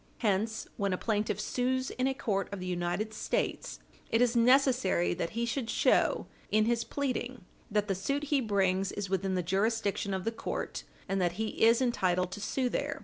Hence, when a plaintiff sues in a court of the United States, it is necessary that he should Page 60 U. S. 402 show, in his pleading, that the suit he brings is within the jurisdiction of the court, and that he is entitled to sue there.